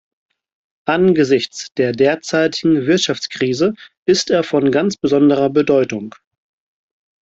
Angesichts der derzeitigen Wirtschaftskrise ist er von ganz besonderer Bedeutung.